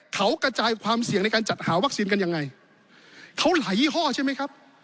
เขากระจายความเสี่ยงในการจัดหาวัคซีนกันยังไงเขาไหลยี่ห้อใช่ไหมครับ